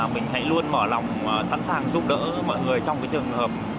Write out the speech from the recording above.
mình hãy luôn mở lòng sẵn sàng giúp đỡ mọi người trong cái trường hợp